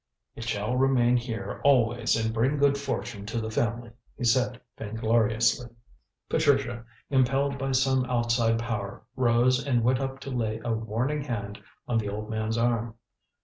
"It shall remain here always and bring good fortune to the family," he said vaingloriously. Patricia, impelled by some outside power, rose and went up to lay a warning hand on the old man's arm.